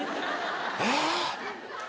えっ？